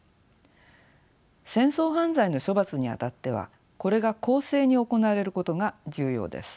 戦争犯罪の処罰にあたってはこれが公正に行われることが重要です。